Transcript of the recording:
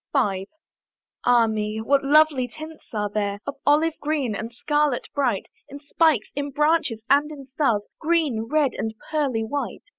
V. Ah me! what lovely tints are there! Of olive green and scarlet bright, In spikes, in branches, and in stars, Green, red, and pearly white.